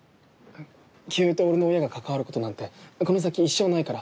清居と俺の親が関わることなんてこの先一生ないから。